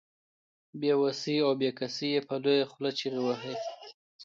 بې وسي او بې کسي يې په لويه خوله چيغې وهي.